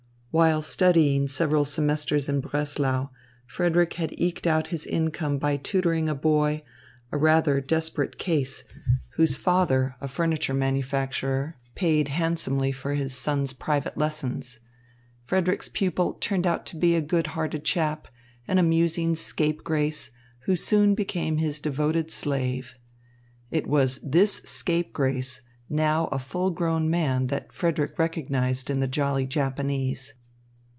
While studying several semesters in Breslau, Frederick had eked out his income by tutoring a boy, a rather desperate case, whose father, a furniture manufacturer, paid handsomely for his son's private lessons. Frederick's pupil turned out to be a good hearted chap, an amusing scapegrace, who soon became his devoted slave. It was this scapegrace, now a full grown man, that Frederick recognised in the jolly Japanese.